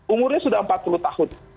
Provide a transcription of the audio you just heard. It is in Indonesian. umurnya sudah empat puluh tahun